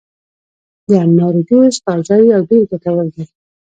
د انارو جوس تازه وي او ډېر ګټور دی.